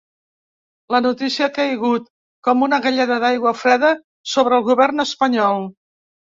La notícia ha caigut com una galleda d’aigua freda sobre el govern espanyol.